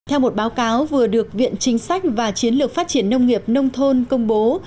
theo một báo cáo vừa được viện chính sách và chiến lược phát triển nông nghiệp nông thôn công bố